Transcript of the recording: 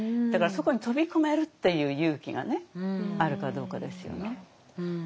だからそこに飛び込めるっていう勇気があるかどうかですよね。